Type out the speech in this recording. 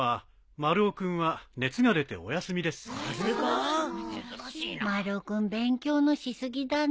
丸尾君勉強のし過ぎだね。